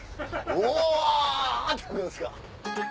うお！って行くんすか。